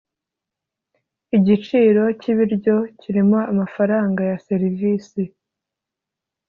igiciro cyibiryo kirimo amafaranga ya serivisi.